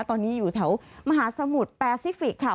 ตอนนี้อยู่แถวมหาสมุทรแปซิฟิกส์ค่ะ